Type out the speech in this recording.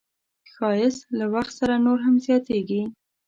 ښایست له وخت سره نور هم زیاتېږي